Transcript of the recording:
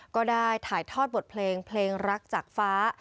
ก็ได้ถ่ายทอดบทเพลงเพลงรักจากฟ้า